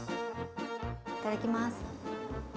いただきます！